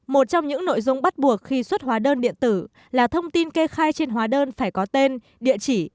một trong những nội dung bắt buộc khi xuất hóa đơn điện tử là thông tin kê khai trên hóa đơn phải có tên địa chỉ